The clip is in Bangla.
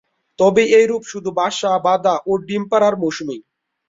তবে এই রূপ শুধু বাসা বাঁধা ও ডিম পাড়ার মৌসুমেই।